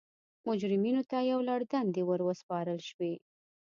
مجرمینو ته یو لړ دندې ور وسپارل شوې.